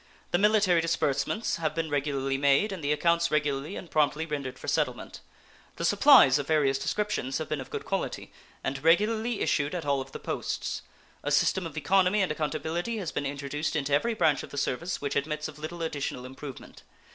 The military disbursements have been regularly made and the accounts regularly and promptly rendered for settlement. The supplies of various descriptions have been of good quality, and regularly issued at all of the posts. A system of economy and accountability has been introduced into every branch of the service which admits of little additional improvement.